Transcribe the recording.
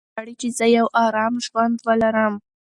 مور مې غواړي چې زه یو ارام ژوند ولرم.